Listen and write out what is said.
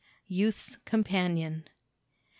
Youth's Companion.